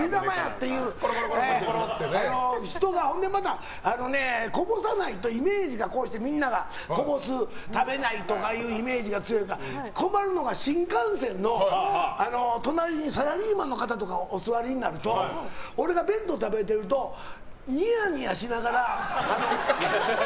ほんでまた、こぼさないとイメージがみんながこぼす、食べないとかイメージがついて困るのが、新幹線の隣にサラリーマンの方とかがお座りになると俺が弁当食べてるとニヤニヤしながら。